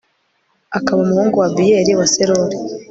akaba umuhungu wa abiyeli, wa serori